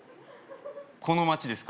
この街ですか？